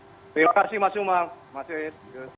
terima kasih mas umar